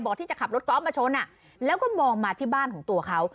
ที่จะขับรถกอล์ฟมาชนแล้วก็มองมาที่บ้านของตัวเขา